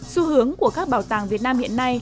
xu hướng của các bảo tàng việt nam hiện nay